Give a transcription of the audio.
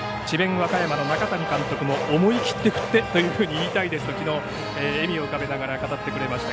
和歌山の中谷監督も思い切って振ってと言いたいですときのう笑みを浮かべながら語ってくれました。